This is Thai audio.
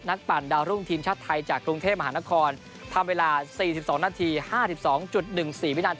ปั่นดาวรุ่งทีมชาติไทยจากกรุงเทพมหานครทำเวลา๔๒นาที๕๒๑๔วินาที